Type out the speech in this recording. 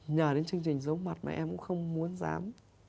nhờ đến chương trình giống mặt mà em cũng không muốn dám